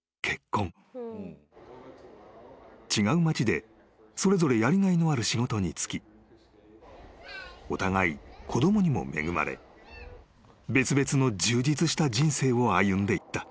［違う町でそれぞれやりがいのある仕事に就きお互い子供にも恵まれ別々の充実した人生を歩んでいった］